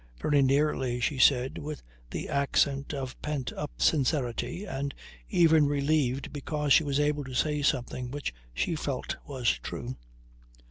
"Very nearly," she said with the accent of pent up sincerity, and even relieved because she was able to say something which she felt was true.